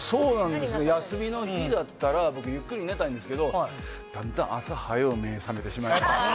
休みの日やったら、僕、ゆっくり寝たいんですけど、だんだん朝はよう目覚めてしまいます。